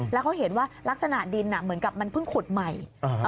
แล้วเขาเห็นว่าลักษณะดินเหมือนกับมันเพิ่งขุดใหม่